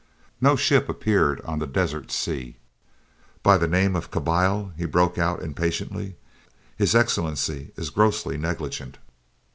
No ship appeared upon the desert sea. "By the name of a Kabyle!" he broke out impatiently, "his Excellency is grossly negligent!"